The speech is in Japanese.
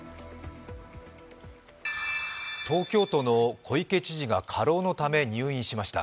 東京都の小池知事が過労のため入院しました。